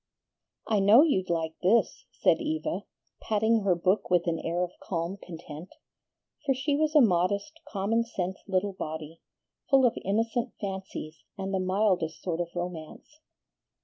"I know you'd like this," said Eva, patting her book with an air of calm content; for she was a modest, common sense little body, full of innocent fancies and the mildest sort of romance.